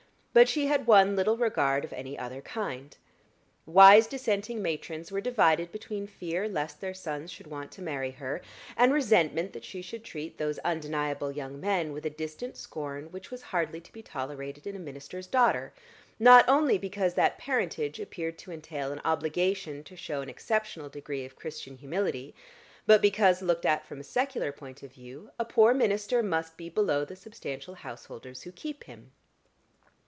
But she had won little regard of any other kind. Wise Dissenting matrons were divided between fear lest their sons should want to marry her and resentment that she should treat those "undeniable" young men with a distant scorn which was hardly to be tolerated in a minister's daughter; not only because that parentage appeared to entail an obligation to show an exceptional degree of Christian humility, but because, looked at from a secular point of view, a poor minister must be below the substantial householders who keep him.